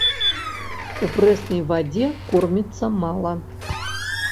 У прэснай вадзе корміцца мала.